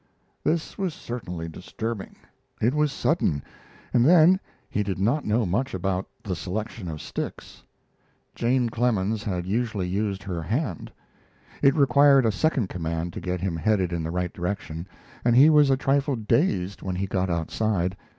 This was certainly disturbing. It was sudden, and then he did not know much about the selection of sticks. Jane Clemens had usually used her hand. It required a second command to get him headed in the right direction, and he was a trifle dazed when he got outside.